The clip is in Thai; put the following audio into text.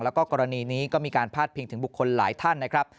แล้วก็กรณีนี้ก็มีการพาดพิงถึงบุคคลหลายท่านนะครับ